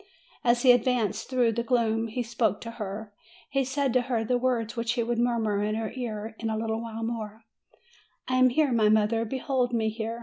As he ad vanced through the gloom, he spoke to her, he said to her the words which he would murmur in her ear in a little while more : "I am here, my mother; behold me here.